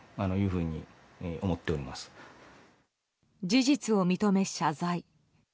事実を認め、謝罪。